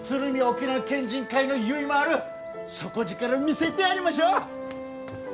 沖縄県人会のゆいまーる底力見せてやりましょう！